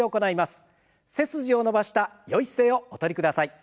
背筋を伸ばしたよい姿勢をお取りください。